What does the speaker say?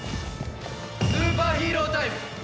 スーパーヒーロータイム。